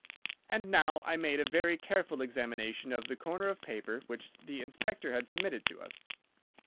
"And now I made a very careful examination of the corner of paper which the Inspector had submitted to us.